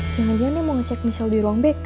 jangan jangan dia mau ngecek michelle di ruang bk